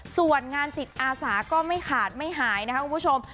ส่วนงานจิตอาสาก็ไม่ขาดไม่หายนะครับคุณผู้ชม